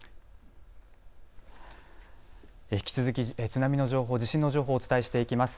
引き続き津波の情報、地震の情報をお伝えしていきます。